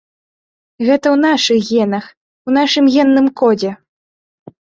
Гэта ў нашых генах, у нашым генным кодзе!